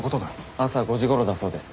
朝５時頃だそうです。